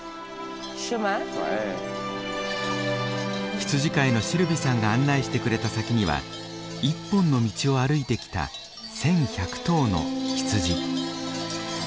羊飼いのシルヴィさんが案内してくれた先には一本の道を歩いてきた１，１００頭の羊。